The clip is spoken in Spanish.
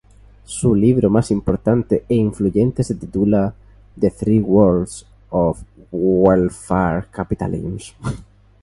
Su libro más importante e influyente se titula "The Three Worlds of Welfare Capitalism".